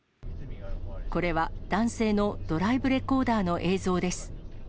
これは、男性のドライブレコーダーの映像です。